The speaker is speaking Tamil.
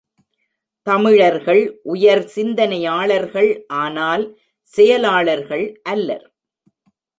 தமிழர்கள் உயர் சிந்தனையாளர்கள் ஆனால் செயலாளர்கள் அல்லர்.